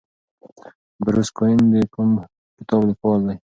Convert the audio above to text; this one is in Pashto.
بروس کوئن د کوم کتاب لیکوال دی؟